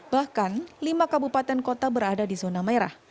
bahkan lima kabupaten kota berada di zona merah